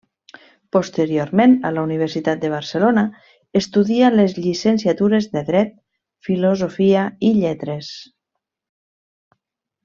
Posteriorment, a la Universitat de Barcelona, estudia les llicenciatures de Dret, Filosofia i Lletres.